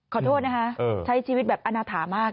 ขอโทษนะคะใช้ชีวิตแบบอนาถามาก